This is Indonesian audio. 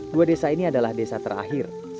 dua desa ini adalah desa terakhir di bukit baka